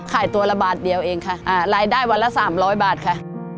ขายตัวละบาทเดียวเองค่ะรายได้วันละ๓๐๐บาทค่ะ